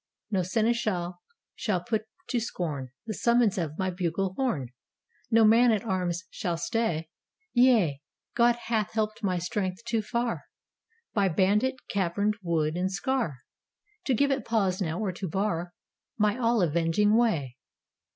No seneschal shall put to scorn The summons of my bugle horn! No man at arms shall stay! Yea! God hath helped my strength too far By bandit caverned wood and scar To give it pause now, or to bar My all avenging way.